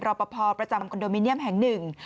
รอปภประจำคอนโดมิเนียมแห่งหนึ่ง